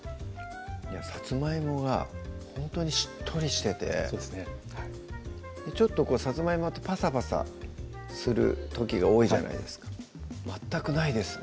さつまいもがほんとにしっとりしててさつまいもってパサパサする時が多いじゃないですか全くないですね